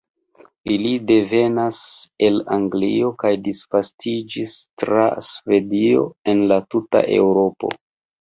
Ili devenas el Anglio kaj disvastiĝis tra Svedio en la tuta Eŭropo.